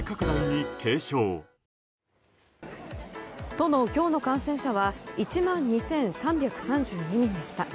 都の今日の感染者は１万２３３２人でした。